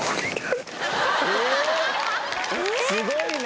すごいな。